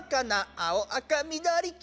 「青赤緑黄」！